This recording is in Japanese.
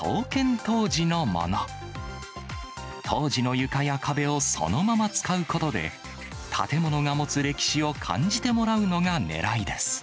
当時の床や壁をそのまま使うことで、建物が持つ歴史を感じてもらうのがねらいです。